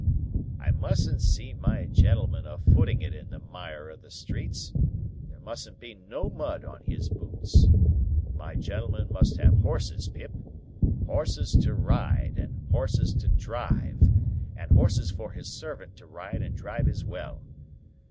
"I mustn't see my gentleman a footing it in the mire of the streets; there mustn't be no mud on his boots. My gentleman must have horses, Pip! Horses to ride, and horses to drive, and horses for his servant to ride and drive as well.